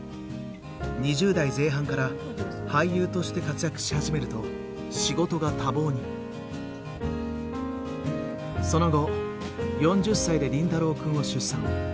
２０代前半から俳優として活躍し始めるとその後４０歳で凛太郎くんを出産。